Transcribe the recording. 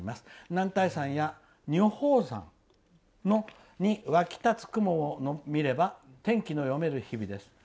男体山や女峰山に沸き立つ雲を見れば天気の読める日々です。